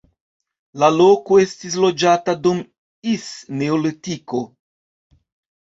La loko estis loĝata dum ls neolitiko.